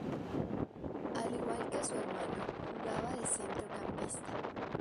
Al igual que su hermano, jugaba de centrocampista.